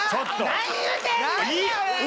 何言うてんねん！